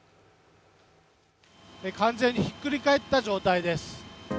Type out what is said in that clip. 完全にひっくり返った状態です。